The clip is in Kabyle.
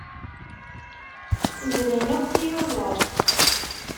Zlan akk tiyuẓaḍ.